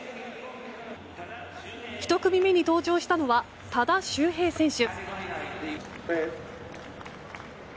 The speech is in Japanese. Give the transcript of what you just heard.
１組目に登場したのは多田修平選手。